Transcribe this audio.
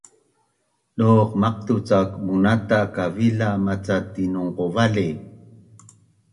Doq maqtu’ cak munata’ kavila’ maca tinongqu vali?